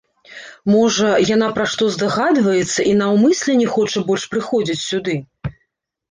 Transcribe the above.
Можа, яна пра што здагадваецца і наўмысля не хоча больш прыходзіць сюды?